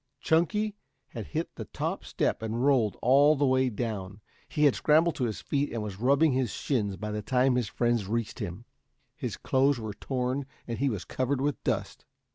Chunky had hit the top step and rolled all the way down. He had scrambled to his feet and was rubbing his shins by the time his friends reached him. His clothes were torn and he was covered with dust.